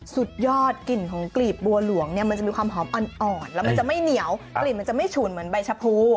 สุดยอดกลิ่นของกลีบบัวหลวงเนี่ยมันจะมีความหอมอ่อนแล้วมันจะไม่เหนียวกลิ่นมันจะไม่ฉุนเหมือนใบชะพู